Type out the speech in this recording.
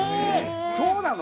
そうなの？